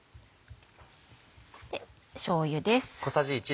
しょうゆです。